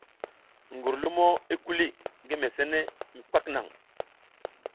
Gurlumo i kuli ngi mesene mi kwak naŋ.